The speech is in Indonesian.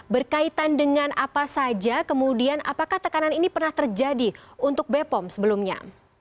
berkaitan dengan apa saja kemudian apakah tekanan ini pernah terjadi untuk bepom sebelumnya